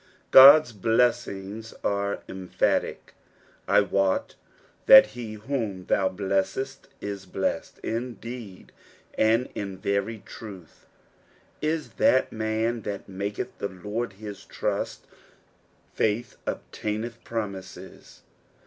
Qod's blessings are emphatic, " I wot that he whom thiiu bleBseet is blessed," indeed and in verj truth. " I> that man tkat tnaieth tht Lord hit trutt." Faith obtaineth promises.